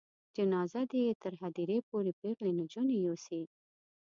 جنازه دې یې تر هدیرې پورې پیغلې نجونې یوسي.